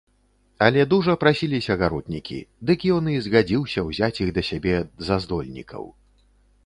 Але дужа прасіліся гаротнікі, дык ён і згадзіўся ўзяць іх да сябе за здольнікаў.